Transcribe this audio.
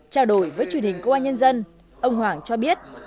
trao đổi với truyền hình công an nhân dân ông hoàng cho biết